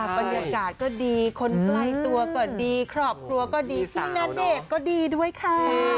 บรรยากาศก็ดีคนใกล้ตัวก็ดีครอบครัวก็ดีพี่ณเดชน์ก็ดีด้วยค่ะ